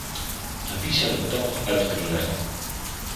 Aan wie zouden we dat nog uit kunnen leggen?